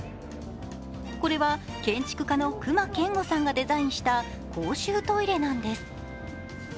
これは建築家の隈研吾さんがデザインした公衆トイレなんです。